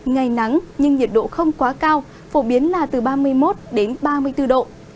ngày nắng nhưng nhiệt độ không quá cao phổ biến là từ ba mươi một đến ba mươi bốn độ